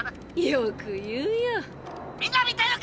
よく言うよ。